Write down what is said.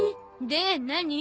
で何？